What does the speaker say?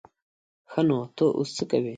ښه نو ته اوس څه کوې؟